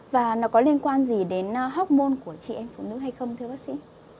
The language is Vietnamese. và nó có liên quan gì đến hormôn của chị em phụ nữ hay không thưa bác sĩ